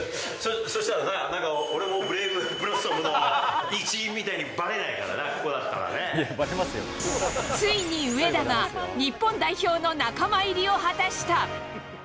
そうしたらさ、俺もブレイブ・ブロッサムズの一員みたいに、ばれないからな、ついに上田が日本代表の仲間入りを果たした。